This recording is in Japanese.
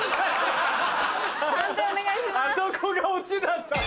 あそこがオチだった。